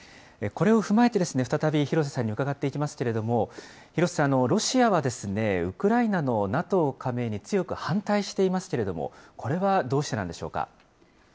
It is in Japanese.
これを踏まえてですね、再び廣瀬さんに伺っていきますけれども、廣瀬さん、ロシアはですね、ウクライナのＮＡＴＯ加盟に強く反対していますけれども、これはどうしてなんでしょうか。